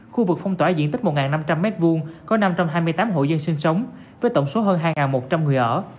khu vực phong tỏa diện tích một năm trăm linh m hai có năm trăm hai mươi tám hộ dân sinh sống với tổng số hơn hai một trăm linh người ở